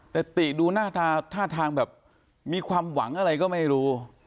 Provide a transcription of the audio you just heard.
แต่ติดูหน้าท่าทางแบบมีความหวังอะไรก็ไม่รู้